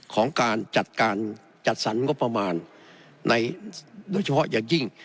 ของการจัดการจัดสรรงบประมาณโดยเฉพาะอย่างยิ่ง